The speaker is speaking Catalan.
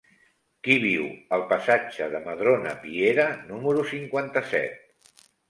Qui viu al passatge de Madrona Piera número cinquanta-set?